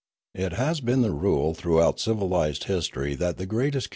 It has been the rule throughout civilised history that the greatest Hermitry